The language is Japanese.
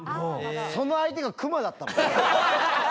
その相手がクマだったの。